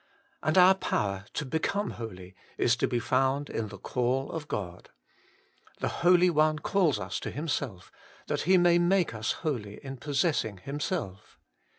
And our power to become holy is to be found in the call of God : the Holy One calls us to Himself, that He may make us holy in possessing Himself.